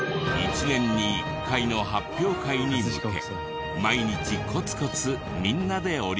１年に１回の発表会に向け毎日コツコツみんなで折り紙を。